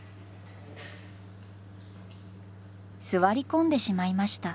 座り込んでしまいました。